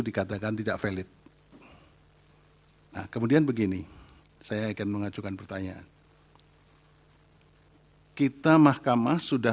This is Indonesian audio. dikatakan tidak valid nah kemudian begini saya akan mengajukan pertanyaan kita mahkamah sudah